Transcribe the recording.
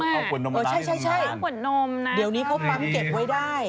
เอาขวดนมมาทำงานใช่เดี๋ยวนี้เขาปั๊มเก็บไว้ได้